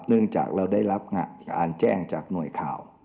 เรื่องจากเราได้รับการแจ้งจากหน่วยข่าว